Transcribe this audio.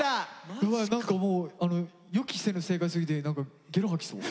うわ何かもう予期せぬ正解すぎて何かゲロ吐きそう。